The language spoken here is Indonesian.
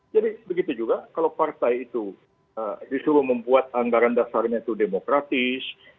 jadi begitu juga kalau partai itu disuruh membuat anggaran dasarnya itu demokratis